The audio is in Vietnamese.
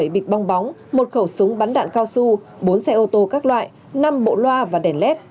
bảy bịch bong bóng một khẩu súng bắn đạn cao su bốn xe ô tô các loại năm bộ loa và đèn led